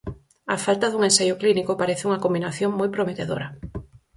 A falta dun ensaio clínico, parece unha combinación moi prometedora.